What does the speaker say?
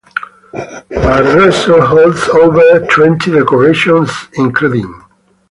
Barroso holds over twenty decorations, including.